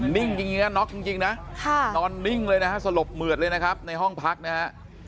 นิ่งจริงนะน็อกจริงนะนอนนิ่งเลยนะฮะสลบเหมือดเลยนะครับในห้องพักนะฮะ